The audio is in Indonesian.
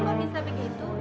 kok bisa begitu